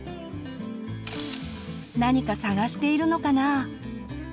何か探しているのかな？